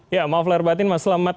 ya maaflah herbatin mas selamat